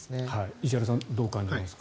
石原さんどう感じますか。